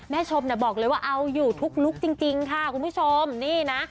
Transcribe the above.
ชมเนี่ยบอกเลยว่าเอาอยู่ทุกลุคจริงค่ะคุณผู้ชมนี่นะ